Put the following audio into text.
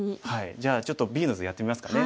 じゃあちょっとＢの図やってみますかね。